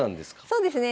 そうですね。